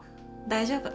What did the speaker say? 大丈夫。